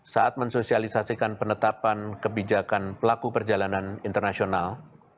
saat mensosialisasikan penetapan kebijakan pelaku perjalanan internasional